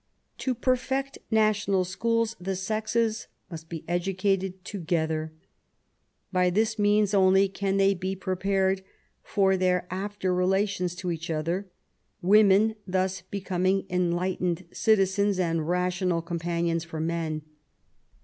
To perfect national schools the sexes must be edu cated together. By this means only can they be pre pared for their after relations to each other, women thus becoming enlightened citizens and rational com panions for men.